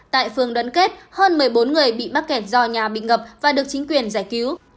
tại phường đoàn kết hơn một mươi bốn người bị mắc kẹt do nhà bị ngập và được chính quyền giải cứu